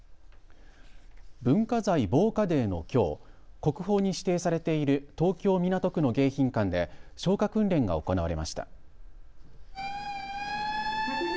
文化財防火デーのきょう国宝に指定されている東京港区の迎賓館で消火訓練が行われました。